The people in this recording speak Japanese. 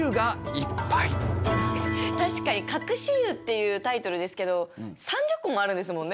確かに隠し湯っていうタイトルですけど３０個もあるんですもんね。